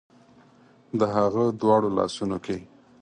د هغه دواړو لاسونو کې